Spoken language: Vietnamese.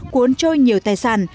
cuốn trôi nhiều tài sản